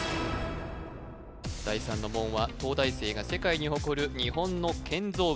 第三の門は東大生が世界に誇る日本の建造物